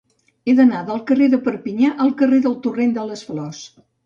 He d'anar del carrer de Perpinyà al carrer del Torrent de les Flors.